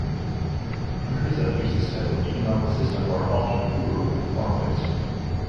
Countries that use this type of economic system are often rural and farm-based.